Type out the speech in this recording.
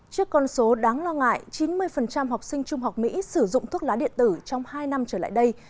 trước con số đáng lo ngại chín mươi học sinh trung học mỹ sử dụng thuốc lá điện tử trong hai năm trở lại đây